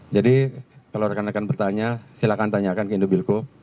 jadi kalau rekan rekan bertanya silahkan tanyakan ke indobilco